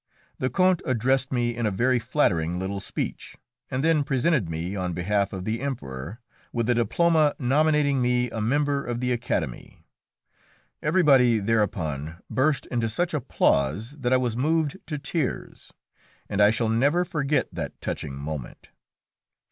The Count addressed me in a very flattering little speech, and then presented me, on behalf of the Emperor, with a diploma nominating me a member of the Academy. Everybody thereupon burst into such applause that I was moved to tears, and I shall never forget that touching moment.